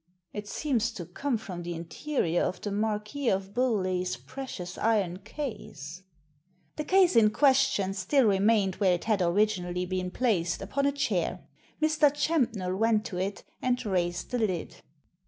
"It seems to come from the interior of the Marquis of Bewlay*s precious iron case." The case in question still remained where it had originally been placed, upon a chair. Mr. Champnell went to it and raised the lid.